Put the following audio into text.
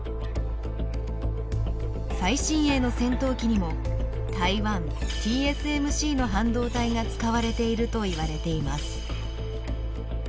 最新鋭の戦闘機にも台湾ＴＳＭＣの半導体が使われているといわれています。